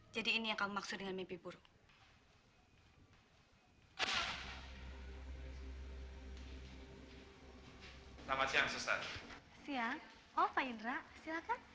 jadi ini yang kamu maksud dengan mimpi buruk